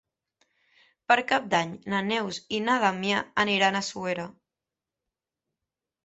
Per Cap d'Any na Neus i na Damià aniran a Suera.